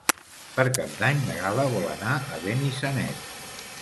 Per Cap d'Any na Gal·la vol anar a Benissanet.